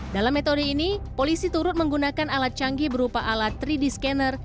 dalam metode ini polisi turut menggunakan alat canggih berupa alat tiga d scanner